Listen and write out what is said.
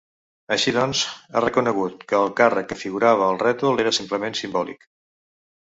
Així doncs, ha reconegut que el càrrec que figurava al rètol era simplement simbòlic.